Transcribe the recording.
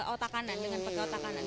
otak kanan dengan peta otak kanan